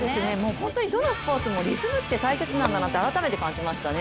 本当にどのスポーツもリズムって大切なんだなって改めて感じましたね。